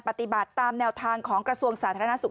ปฏิบัติตามแนวทางของกระทรวงสาธารณสุข